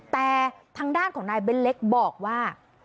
แต่ทางด้านของนายเบ้นเล็กบอกว่า